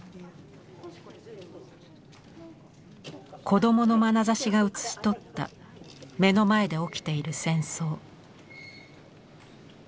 子どものまなざしが写し取った目の前で起きている戦争。